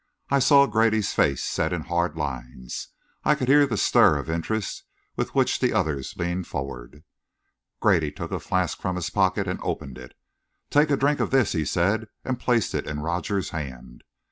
I saw Grady's face set in hard lines; I could hear the stir of interest with which the others leaned forward.... Grady took a flask from his pocket and opened it. "Take a drink of this," he said, and placed it in Rogers's hand.